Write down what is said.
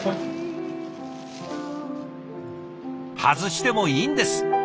外してもいいんです。